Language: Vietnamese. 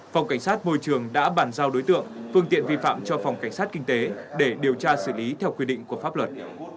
phòng cảnh sát môi trường đã bàn giao đối tượng phương tiện vi phạm cho phòng cảnh sát kinh tế để điều tra xử lý theo quy định của pháp luật